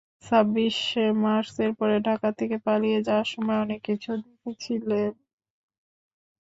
ছাব্বিশে মার্চের পরে ঢাকা থেকে পালিয়ে যাওয়ার সময় অনেক কিছু দেখেছিলেন।